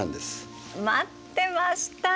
待ってました！